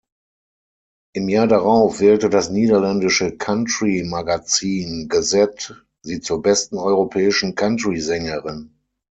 Im Jahr darauf wählte das niederländische Country-Magazin "Gazette" sie zur besten europäischen Countrysängerin.